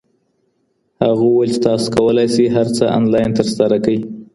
هغه وویل چې تاسو کولی شئ هرڅه آنلاین ترسره کړئ.